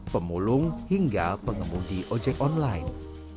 pemulung hingga pengemudi ojek online